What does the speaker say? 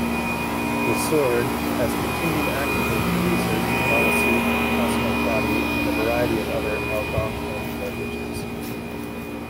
LeSourd has continued actively to research Maliseet-Passamaquoddy and a variety of other Algonquian languages.